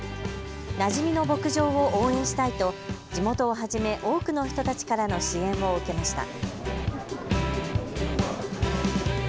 なじみの牧場を応援したいと地元をはじめ多くの人たちからの支援を受けました。